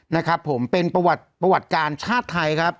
นะครับผมเป็นประวัติการชาติไทยครับ